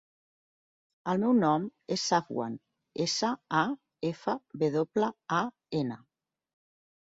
El meu nom és Safwan: essa, a, efa, ve doble, a, ena.